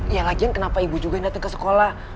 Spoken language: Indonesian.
ya lagian kenapa ibu juga yang dateng ke sekolah